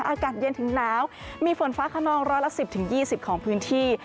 อากาศเย็นถึงหนาวมีฝนฟ้าขนองร้อยละ๑๐๒๐ของพื้นที่